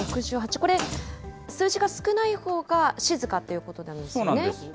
これは数字が少ないほうが静かということなんですよね。